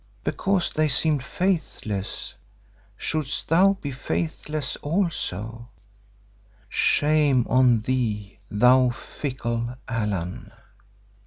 Because they seemed faithless, shouldst thou be faithless also? Shame on thee, thou fickle Allan!"